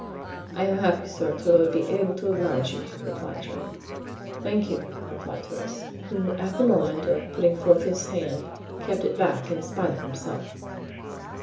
"I am happy, sir, to be able to oblige you," replied Joam. "Thank you," said Torres, who at the moment of putting forth his hand kept it back in spite of himself.